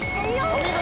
お見事！